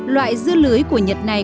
loại dưa lưới của nhật này